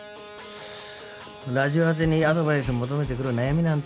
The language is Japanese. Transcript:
ラジオ宛てにアドバイス求めてくる悩みなんてよ